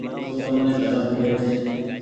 تو تمني ڌرم ميلي ڇي۔